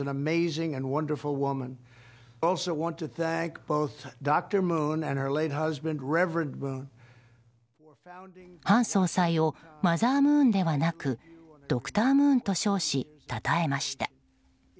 韓総裁をマザームーンではなくドクタームーンと称したたえました。